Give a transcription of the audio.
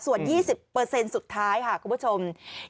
ส่วน๒๐สุดท้ายค่ะคุณผู้ชม